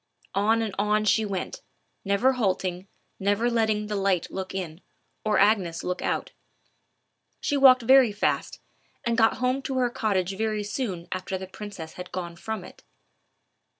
On and on she went, never halting, never letting the light look in, or Agnes look out. She walked very fast, and got home to her cottage very soon after the princess had gone from it.